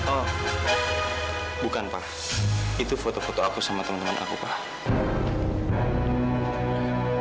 oh bukan pak itu foto foto aku sama teman teman aku pak